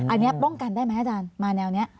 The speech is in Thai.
อันนี้ป้องกันได้ไหมอาจารย์มาแนวนี้